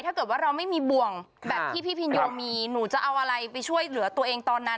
ถ้าเกิดว่าเราไม่มีบ่วงแบบที่พี่พินโยมีหนูจะเอาอะไรไปช่วยเหลือตัวเองตอนนั้น